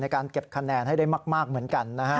การเก็บคะแนนให้ได้มากเหมือนกันนะฮะ